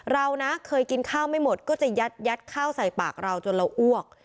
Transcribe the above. เรานะเคยกินข้าวไม่หมดก็จะยัดข้าวใส่ปากเราจนเราอ้วก